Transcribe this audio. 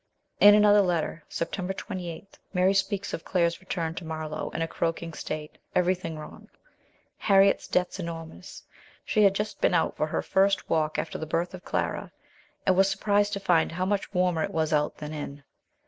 In another letter, September 28, Mary speaks of Claires return to Marlow in a croaking state every thing wrong ; Harriet's debts enormous. She had RETURN TO ENGLAND. 123 just been out for her first walk after the birth of Clara, and was surprised to find how much warmer it was out than in.